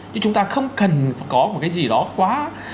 chứ chúng ta không cần có một cái gì đó quá